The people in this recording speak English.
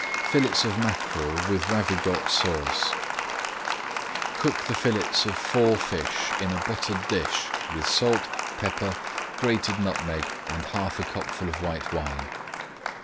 FILLETS OF MACKEREL WITH RAVIGOTE SAUCE Cook the fillets of four fish in a buttered dish with salt, pepper, grated nutmeg, and half a cupful of white wine.